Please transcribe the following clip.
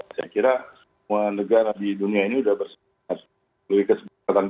saya kira semua negara di dunia ini sudah bersikap lebih kesehatan